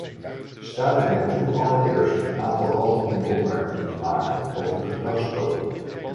Staat u mij toe allereerst een aantal algemene opmerkingen te maken over de gedragscode.